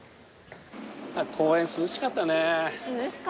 公園涼しかったね。